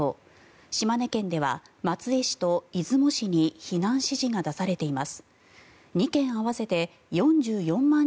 島根県では松江市と出雲市に避難指示が出されています。